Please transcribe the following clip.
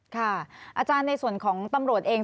อาจารย์ในส่วนของตำรวจเอง